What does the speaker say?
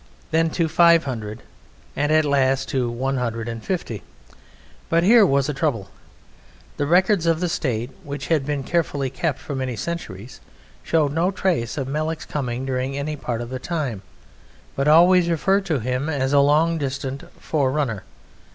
Then to five hundred, and at last to one hundred and fifty. But here was a trouble. The records of the State, which had been carefully kept for many centuries, showed no trace of Melek's coming during any part of the time, but always referred to him as a long distant forerunner.